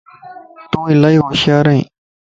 تون الائي هوشيار ائين